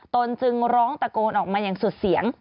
ตนจึงร้องตะโกนออกมาอย่างสุดเสียง